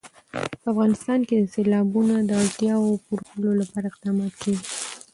په افغانستان کې د سیلابونه د اړتیاوو پوره کولو لپاره اقدامات کېږي.